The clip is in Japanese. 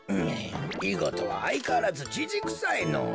いごとはあいかわらずじじくさいのぉ。